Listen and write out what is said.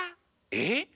えっ⁉